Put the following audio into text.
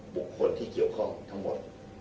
บุคคลที่เกี่ยวข้องทั้งหมด